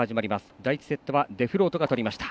第１セットはデフロートが取りました。